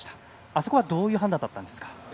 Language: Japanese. あそこはどういう判断だったんですか？